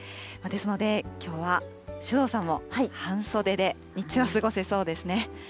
ですので、きょうは首藤さんも半袖で日中は過ごせそうですね。